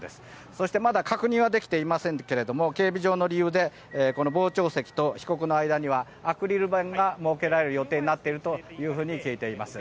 そしてまだ確認はできていませんが警備上の理由でこの傍聴席と被告の間にはアクリル板が設けられる予定になっていると聞いています。